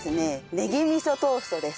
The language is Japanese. ねぎ味噌トーストです。